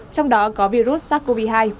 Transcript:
trong đó có virus sars cov hai